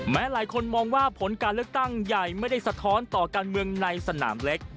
หลายคนมองว่าผลการเลือกตั้งใหญ่ไม่ได้สะท้อนต่อการเมืองในสนามเล็ก